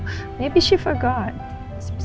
hai lebih si fakad saya lupa kali